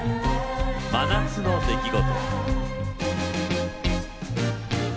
「真夏の出来事」。